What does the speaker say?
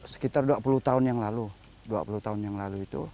sekitar dua puluh tahun yang lalu